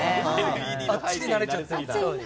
あっちに慣れちゃったんだ。